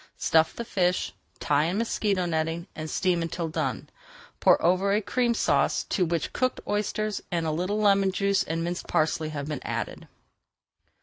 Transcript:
Stuff the fish, tie in mosquito netting, and steam until [Page 445] done. Pour over a Cream Sauce to which cooked oysters and a little lemon juice and minced parsley have been added.